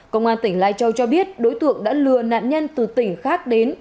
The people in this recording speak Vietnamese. công an tỉnh lai châu cho biết đối tượng đã lừa nạn nhân từ tỉnh khác đến